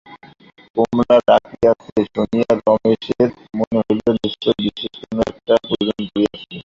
কমলা ডাকিয়াছে শুনিয়া রমেশের মনে হইল, নিশ্চয় বিশেষ কোনো একটা প্রয়োজন পড়িয়াছে।